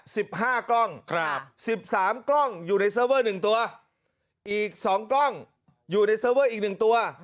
สิบห้ากล้องครับสิบสามกล้องอยู่ในเซิร์เวอร์หนึ่งตัวอีกสองกล้องอยู่ในเซอร์เวอร์อีกหนึ่งตัว